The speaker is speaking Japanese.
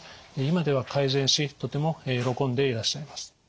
今では改善しとても喜んでいらっしゃいます。